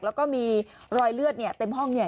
แล้วก็มีรอยเลือดเนี่ยเต็มห้องเนี่ย